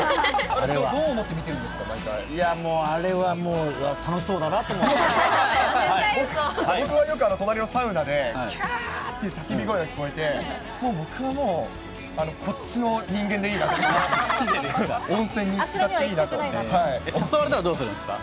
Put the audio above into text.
どう思って見てるんですか、あれはもう、楽しそうだなと僕はよく、隣のサウナできゃーっていう叫び声が聞こえて、もう、僕はもう、こっちの人間でいいなと思って、誘われたらどうするんですか？